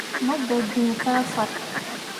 Mo gah gn kah fat.